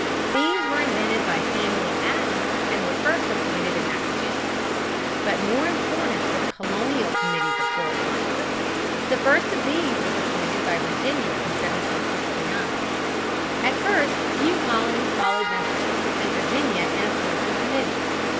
These were invented by Samuel Adams and were first appointed in Massachusetts. But more important were the colonial Committees of Correspondence. The first of these was appointed by Virginia in 1769. At first few colonies followed Massachusetts and Virginia in appointing committees.